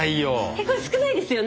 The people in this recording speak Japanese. えこれ少ないですよね？